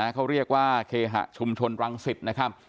เขาเรียกว่าเกษฐะชุมทนธรรมสิทธิ์